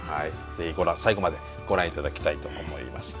ぜひ最後までご覧頂きたいと思います。